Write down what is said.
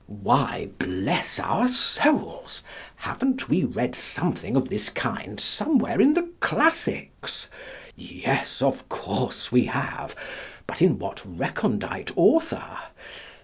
" Why, bless our souls! haven't we read something of this kind somewhere in the classics? Yes, of course we have! But in what recondite author?